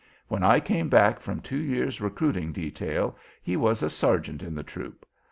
When I came back from two years' recruiting detail he was a sergeant in the troop.